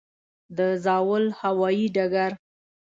د زاول هوايي ډګر